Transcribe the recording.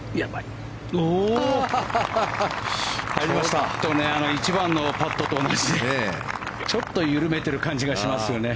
ちょっと１番のパットと同じでちょっと緩めてる感じがしますよね。